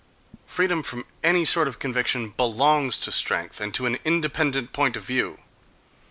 Freedom from any sort of conviction belongs to strength, and to an independent point of view....